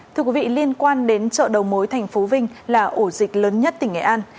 thưa quý vị liên quan đến chợ đầu mối tp vinh là ổ dịch lớn nhất tỉnh nghệ an